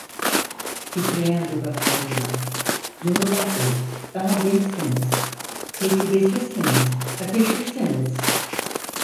Titreyen dudaklarıyla: Nurullah Bey, daha gençsiniz, tecrübesizsiniz, ateşlisiniz.